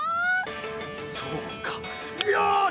そうかよし！